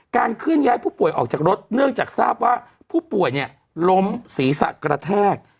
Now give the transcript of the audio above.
เคลื่อนย้ายผู้ป่วยออกจากรถเนื่องจากทราบว่าผู้ป่วยเนี่ยล้มศีรษะกระแทก